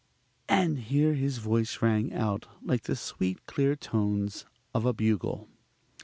(and here his voice rang out like the sweet, clear tones of a bugle).